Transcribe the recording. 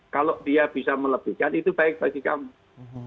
kalau dia bisa melebihkan itu baik bagi kami